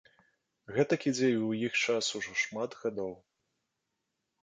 Гэтак ідзе ў іх час ужо шмат гадоў.